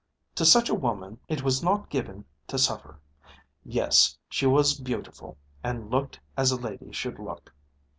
To such a woman it was not given to suffer. Yes; she was beautiful and she looked as a lady should look.